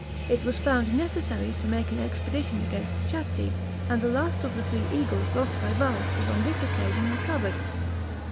It was found necessary to make an ex pedition against the Chatti, and the last of the three eagles lost by Varus was on this occasion recovered.